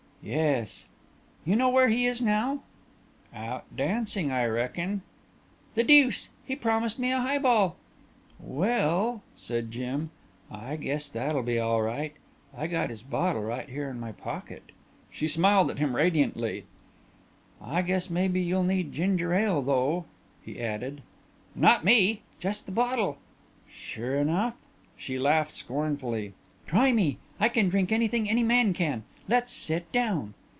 "Yes." "You know where he is now?" "Out dancin', I reckin." "The deuce. He promised me a highball." "Well," said Jim, "I guess that'll be all right. I got his bottle right here in my pocket." She smiled at him radiantly. "I guess maybe you'll need ginger ale though," he added. "Not me. Just the bottle." "Sure enough?" She laughed scornfully. "Try me. I can drink anything any man can. Let's sit down."